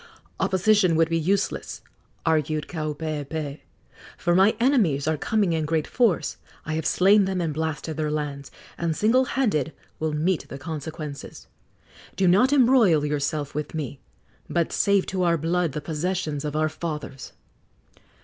"Opposition would be useless," argued Kaupeepee, "for my enemies are coming in great force. I have slain them and blasted their lands, and single handed will meet the consequences. Do not embroil yourself with me, but save to our blood the possessions of our fathers."